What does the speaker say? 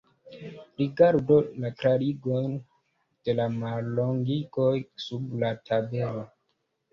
Rigardu la klarigon de la mallongigoj sub la tabelo.